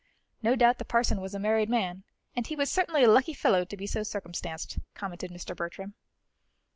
No doubt the parson was a married man, and he was certainly a lucky fellow to be so circumstanced, commented Mr. Bertram.